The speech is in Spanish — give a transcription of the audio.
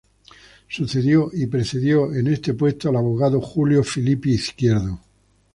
Sucedió y precedió en este puesto al abogado Julio Philippi Izquierdo.